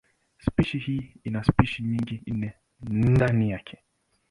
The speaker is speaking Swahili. Spishi hii ina spishi nyingine nne ndani yake.